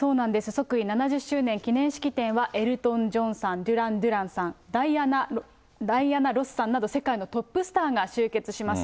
即位７０周年記念式典はエルトン・ジョンさん、デュラン・デュランさん、ダイアナ・ロスさんなど、世界のトップスターが集結します。